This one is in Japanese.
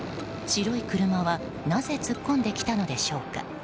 白い車はなぜ突っ込んできたのでしょうか。